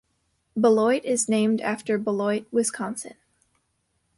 Beloit is named after Beloit, Wisconsin.